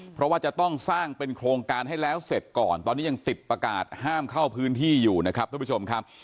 เพราะว่าจะต้องสร้างเป็นโครงการให้แล้วเสร็จก่อนตอนนี้ยังติดประกาศห้ามเข้าพื้นที่อยู่นะครับท่านผู้ชมครับ